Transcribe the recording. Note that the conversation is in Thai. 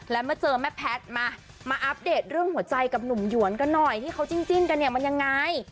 แล้วมาเจอแม่แพทย์มามาอัปเดตเรื่องหัวใจกับหนุ่มหยวนกันหน่อยที่เขาจิ้นกันเนี่ยมันยังไง